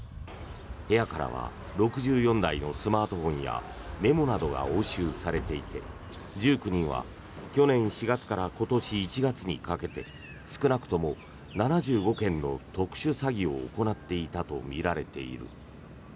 部屋からは６４台のスマートフォンやメモなどが押収されていて１９人は去年４月から今年１月にかけて少なくとも７５件の特殊詐欺を行っていたとみられている。